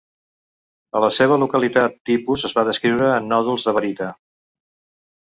A la seva localitat tipus es va descriure en nòduls de barita.